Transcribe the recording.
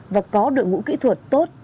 và có đội ngũ kỹ thuật tốt